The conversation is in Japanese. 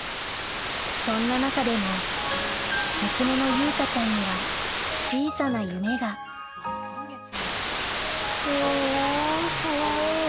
そんな中でも娘の優香ちゃんには小さな夢がいいな。